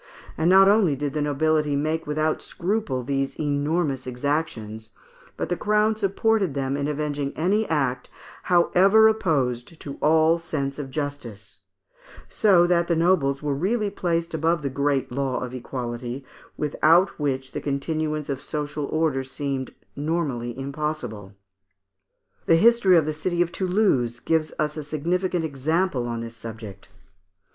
29 and 30). And not only did the nobility make without scruple these enormous exactions, but the Crown supported them in avenging any act, however opposed to all sense of justice; so that the nobles were really placed above the great law of equality, without which the continuance of social order seemed normally impossible. The history of the city of Toulouse gives us a significant example on this subject.